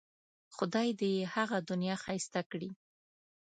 خدای دې یې هغه دنیا ښایسته کړي.